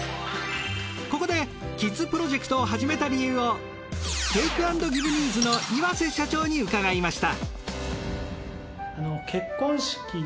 ここでキッズプロジェクトを始めた理由をテイクアンドギヴ・ニーズの岩瀬社長に伺いました。